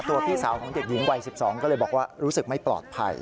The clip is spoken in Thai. พี่สาวของเด็กหญิงวัย๑๒ก็เลยบอกว่ารู้สึกไม่ปลอดภัย